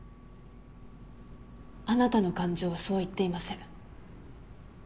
あなたの感情はそう言っていません。